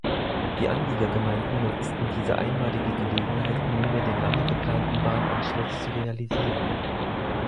Die Anliegergemeinden nutzten diese einmalige Gelegenheit, nunmehr den lange geplanten Bahnanschluss zu realisieren.